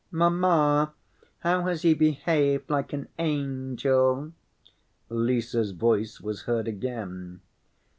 "Mamma, how has he behaved like an angel?" Lise's voice was heard again.